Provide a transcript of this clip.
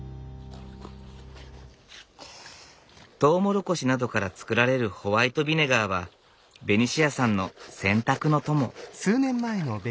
トウモロコシなどから作られるホワイトビネガーはベニシアさんの洗濯の友。